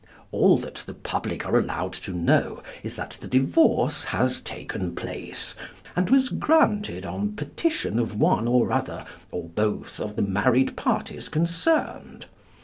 All that the public are allowed to know is that the divorce has taken place and was granted on petition of one or other or both of the married parties concerned.